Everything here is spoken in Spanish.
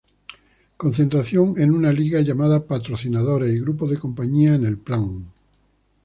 Concentración en una liga llamada patrocinadores y grupos de compañías en el plan.